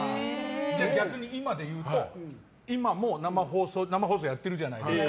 逆に今でいうと、今も生放送やってるじゃないですか。